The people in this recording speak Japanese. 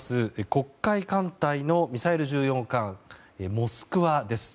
黒海艦隊のミサイル巡洋艦「モスクワ」。